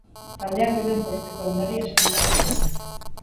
Taldeak euren zortzikoen berri hasi dira ematen.